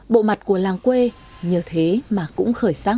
bộ mặt của làng quê nhờ thế mà cũng khởi sắc